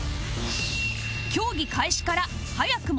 競技開始から早くも